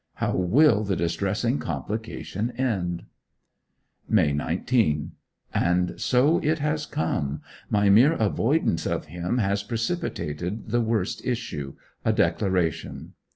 How will the distressing complication end? May 19. And so it has come! My mere avoidance of him has precipitated the worst issue a declaration.